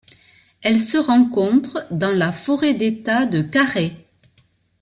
Elle se rencontre dans la forêt d'État de Carrai.